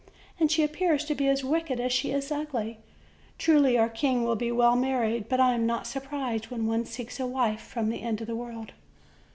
and she appears to be as wicked as she is ugly. Truly our king will be well married; but I am not surprised when one seeks a wife from the end of the world."